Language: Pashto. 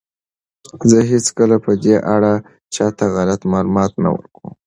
زه هیڅکله په دې اړه چاته غلط معلومات نه ورکوم.